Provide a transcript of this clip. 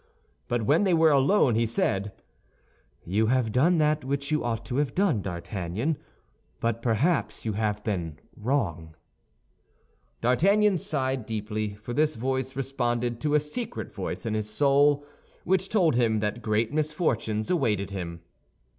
But when they were alone he said, "You have done that which you ought to have done, D'Artagnan; but perhaps you have been wrong." D'Artagnan sighed deeply, for this voice responded to a secret voice of his soul, which told him that great misfortunes awaited him.